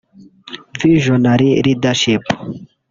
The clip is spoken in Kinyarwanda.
"visionary Leadership"